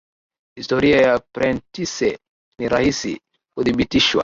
historia ya prentice ni rahisi kudhibitishwa